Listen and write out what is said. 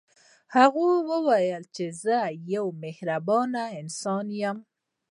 هغه وايي چې زه یو مهربانه انسان یم